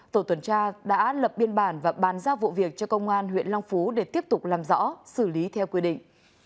tổ tuần tra đã lập biên bản và bàn giao vụ việc cho công an huyện long phú để tiếp tục làm rõ xử lý theo quy định